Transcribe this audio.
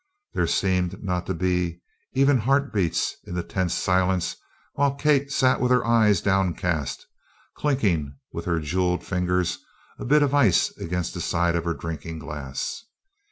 There seemed not to be even heart beats in the tense silence while Kate sat with her eyes downcast, clinking, with her jewelled fingers, a bit of ice against the sides of her drinking glass.